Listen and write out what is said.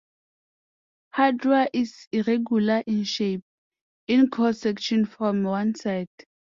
Hydra is irregular in shape, in cross-section from one side.